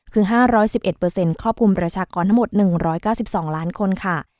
คือ๕๑๑เปอร์เซ็นต์ครอบคลุมประชากรทั้งหมด๑๙๒ล้านคนค่ะ